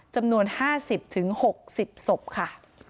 จำนวน๕๐๖๐ศพค่ะ